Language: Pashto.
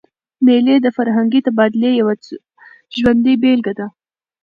مېلې د فرهنګي تبادلې یوه ژوندۍ بېلګه ده.